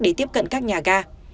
để tiếp cận các nhà ga